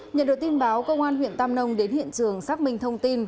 nhận được tin báo công an huyện tam nông đến hiện trường xác minh thông tin